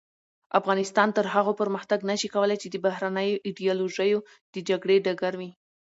افغانستان تر هغو پرمختګ نشي کولای چې د بهرنیو ایډیالوژیو د جګړې ډګر وي.